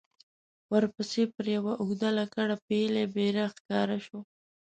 ورپسې پر يوه اوږده لکړه پېيلی بيرغ ښکاره شو.